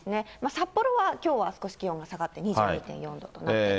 札幌はきょうは少し気温が下がって２２．４度となっています。